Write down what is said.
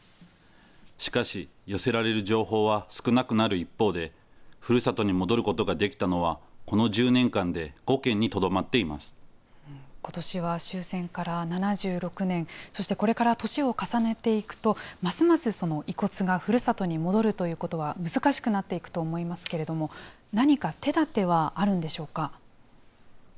しかし、寄せられる情報は少なくなる一方で、ふるさとに戻ることができたのは、この１０年間で５ことしは終戦から７６年、そしてこれから年を重ねていくと、ますます遺骨がふるさとに戻るということは難しくなっていくと思いますけれども、何か手だてはあるんでしょうか。